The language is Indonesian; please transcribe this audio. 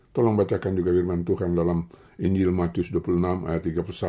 tolong bacakan juga firman tuhan dalam injil matius dua puluh enam ayat tiga puluh satu